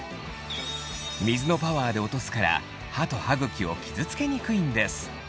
水のパワーで落とすから歯と歯茎を傷付けにくいんです。